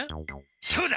そうだ！